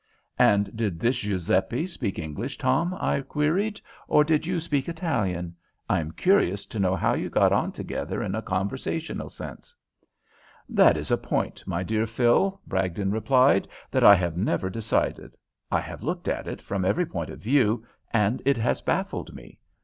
"And did this Giuseppe speak English, Tom?" I queried, "or did you speak Italian? I am curious to know how you got on together in a conversational sense." "That is a point, my dear Phil," Bragdon replied, "that I have never decided. I have looked at it from every point of view, and it has baffled me.